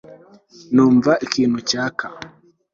nunva ikintu cyaka